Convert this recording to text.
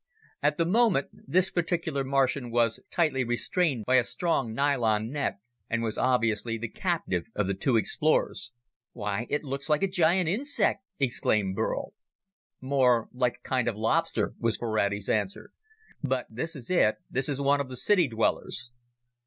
At the moment, this particular Martian was tightly restrained by a strong nylon net, and was obviously the captive of the two explorers. "Why, it looks like a giant insect!" exclaimed Burl. "More like a kind of lobster," was Ferrati's answer. "But this is it. This is one of the city dwellers."